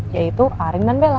yaitu arin dan bella